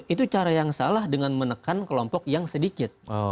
itu cara yang salah dengan menekan kelompok yang sedikit